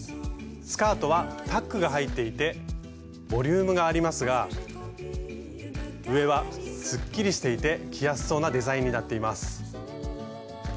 スカートはタックが入っていてボリュームがありますが上はすっきりしていて着やすそうなデザインになっています。